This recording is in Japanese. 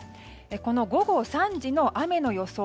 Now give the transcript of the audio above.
この午後３時の雨の予想